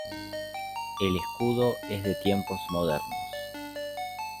El escudo es de tiempos modernos.